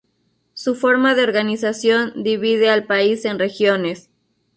Su forma de organización divide al país en regiones.